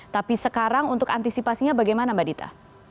tapi sekarang untuk antisipasinya bagaimana mbak dita